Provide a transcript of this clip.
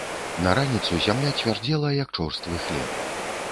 На раніцу зямля цвярдзела, як чорствы хлеб.